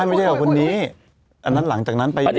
ไม่ใช่กับคนนี้อันนั้นหลังจากนั้นไป